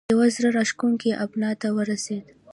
یوه زړه راښکونې ابنا ته ورسېد.